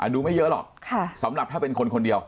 ดูไม่เยอะหรอกสำหรับถ้าเป็นคนคนเดียว